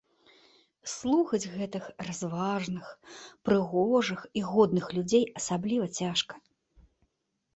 Слухаць гэтых разважных, прыгожых і годных людзей асабліва цяжка.